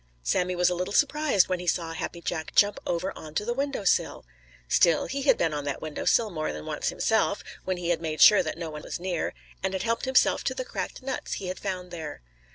Sammy was a little surprised when he saw Happy Jack jump over on to the window sill. Still, he had been on that window sill more than once himself, when he had made sure that no one was near, and had helped himself to the cracked nuts he had found there.